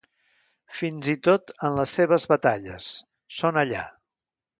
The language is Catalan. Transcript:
Fins i tot en les seves batalles, són allà!